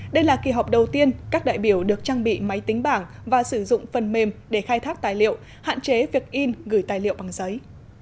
đây là kỳ họp đầu tiên các đại biểu được trang bị máy tính bảng và sử dụng phần mềm để khai thác tài liệu hạn chế việc in gửi tài liệu bằng giấy